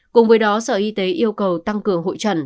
cùng với đó sở y tế yêu cầu tăng cường hội trần